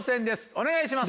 お願いします。